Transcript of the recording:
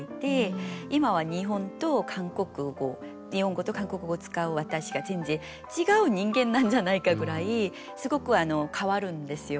今は日本語と韓国語を使う私が全然違う人間なんじゃないかぐらいすごく変わるんですよ。